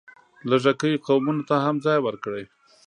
لږکیو قومونو ته هم ځای ورکړی.